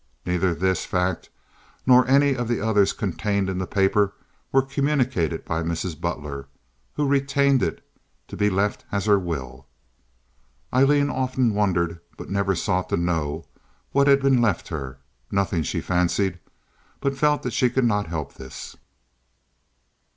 Neither this fact nor any of the others contained in the paper were communicated by Mrs. Butler, who retained it to be left as her will. Aileen often wondered, but never sought to know, what had been left her. Nothing she fancied—but felt that she could not help this.